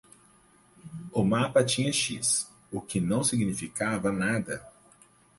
O mapa tinha X, o que não significava nada.